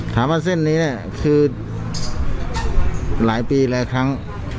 ถามว่าเส้นนี้เนี้ยคือหลายปีแหลกทั้ง